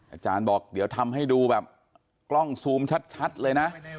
อาจารย์บอกเดี๋ยวทำให้ดูแบบกล้องซูมชัดเลยนะ